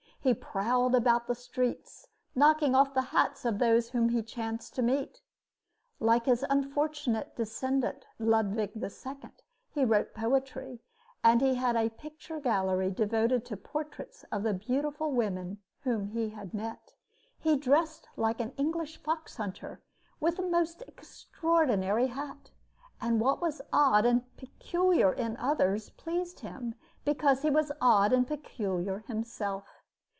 He prowled around the streets, knocking off the hats of those whom he chanced to meet. Like his unfortunate descendant, Ludwig II., he wrote poetry, and he had a picture gallery devoted to portraits of the beautiful women whom he had met. He dressed like an English fox hunter, with a most extraordinary hat, and what was odd and peculiar in others pleased him because he was odd and peculiar himself.